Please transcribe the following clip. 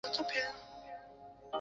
林肯当场暴毙。